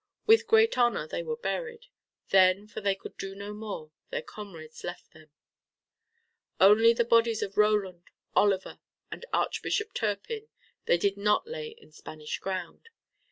With great honor they were buried. Then, for they could do no more, their comrades left them. Only the bodies of Roland, Oliver and Archbishop Turpin, they did not lay in Spanish ground.